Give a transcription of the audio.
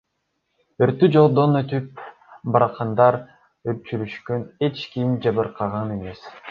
Өрттү жолдон өтүп бараткандар өчүрүшкөн, эч ким жабыркаган эмес.